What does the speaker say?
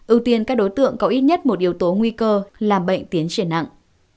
ưu tiên các đối tượng có ít nhất một yếu tố nguy cơ làm bệnh tiến triển nặng